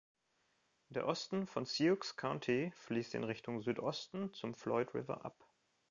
Der Osten von Sioux County fließt in Richtung Südosten zum Floyd River ab.